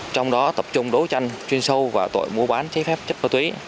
trong đó tập trung đấu tranh chuyên sâu vào tội mua bán chế phép chất ma túy